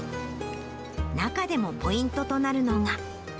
中でもポイントとなるのが。